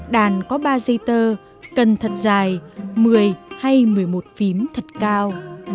đàn có ba dây tơ cần thật dài một mươi hay một mươi một phím thật cao